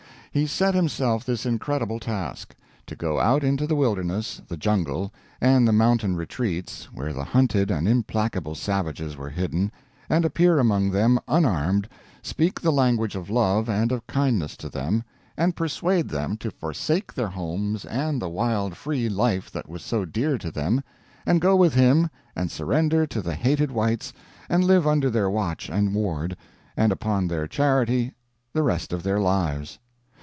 He set himself this incredible task: to go out into the wilderness, the jungle, and the mountain retreats where the hunted and implacable savages were hidden, and appear among them unarmed, speak the language of love and of kindness to them, and persuade them to forsake their homes and the wild free life that was so dear to them, and go with him and surrender to the hated Whites and live under their watch and ward, and upon their charity the rest of their lives!